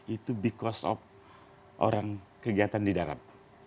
itu because of orang kegiatan di darat